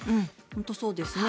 本当にそうですね。